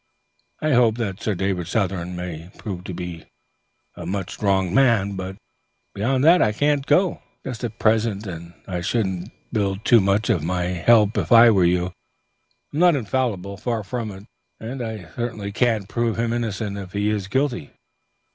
I hope that Sir David Southern may prove to be a much wronged man. But beyond that I can't go, just at present; and I shouldn't build too much on my help if I were you. I'm not infallible; far from it. And I certainly can't prove him innocent if he is guilty."